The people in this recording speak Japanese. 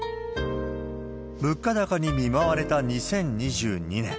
物価高に見舞われた２０２２年。